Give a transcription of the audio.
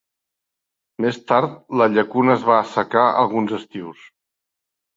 Més tard la llacuna es va assecar alguns estius.